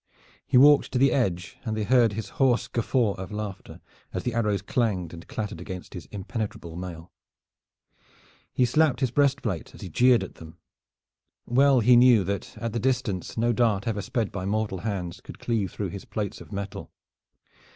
He walked to the edge and they heard his hoarse guffaw of laughter as the arrows clanged and clattered against his impenetrable mail. He slapped his breast plate, as he jeered at them. Well he knew that at the distance no dart ever sped by mortal hands could cleave through his plates of metal.